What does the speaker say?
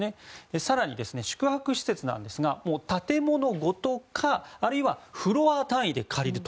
更に宿泊施設なんですが建物ごとかあるいはフロア単位で借りる。